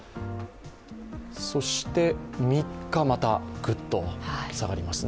そして３日またぐっと下がりますね。